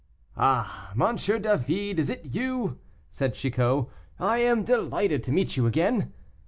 "Ah, Monsieur David, it is you!" said Chicot; "I am delighted to meet you again!"